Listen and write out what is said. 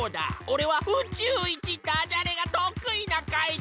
おれは宇宙いちダジャレがとくいなかいじん！